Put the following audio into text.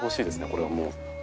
これはもう。